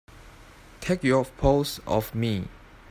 Take your paws off me!